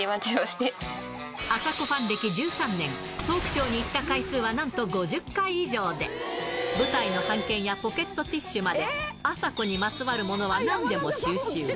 あさこファン歴１３年、トークショーに行った回数はなんと５０回以上で、舞台の半券やポケットティッシュまで、あさこにまつわるものはなんでも収集。